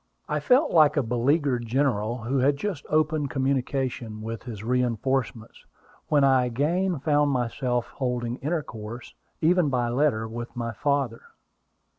I felt like a beleaguered general who had just opened communication with his reinforcements, when I again found myself holding intercourse, even by letter, with my father.